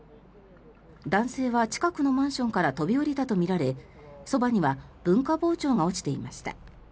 男性は近くのマンションから飛び降りたとみられそばには文化包丁が落ちていました。